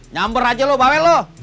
nyamber aja lu bawel lu